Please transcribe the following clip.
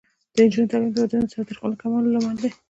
د نجونو تعلیم د ودونو تاوتریخوالي کمولو لامل دی.